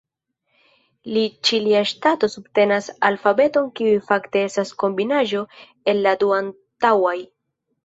La Ĉilia Ŝtato subtenas alfabeton kiu fakte estas kombinaĵo el la du antaŭaj.